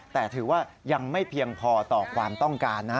แต่ถือว่ายังไม่เพียงพอต่อความต้องการนะ